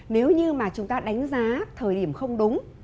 nếu như mà chúng ta đánh giá thời điểm không đúng